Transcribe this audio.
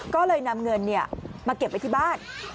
ก็เลยนำเงินมาเก็บไว้ที่บ้าน